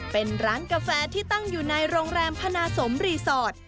เป็นร้านกาแฟที่ตั้งอยู่ในโรงแรมพนาสมรีสอร์ท